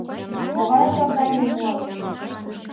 — Могай оправданийым муат?